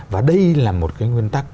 và đây là một cái nguyên tắc